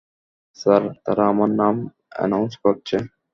Sir, তারা আমার নাম এনাউন্স করছে।